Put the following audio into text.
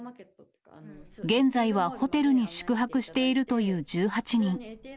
現在はホテルに宿泊しているという１８人。